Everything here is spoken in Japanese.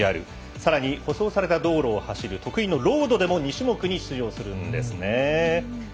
さらに舗装された道路を走る得意のロードでも２種目に出場するんですね。